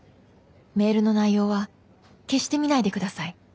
メールの内容は決して見ないでください。